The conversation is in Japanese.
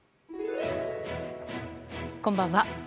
こんばんは。